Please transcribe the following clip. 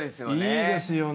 いいですよね。